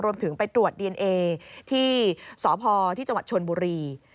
รวมถึงไปตรวจดีเอนเอที่สพที่จชนบุรี